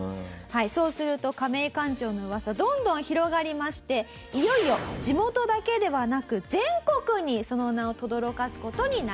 そうするとカメイ館長の噂どんどん広がりましていよいよ地元だけではなく全国にその名をとどろかす事になりました。